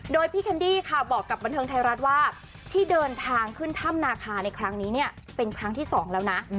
โดยพี่แคนดี้ค่ะบอกกับบันเทิงไทยรัฐว่าที่เดินทางขึ้นถ้ำนาคาในครั้งนี้เนี่ยเป็นครั้งที่๒แล้วนะ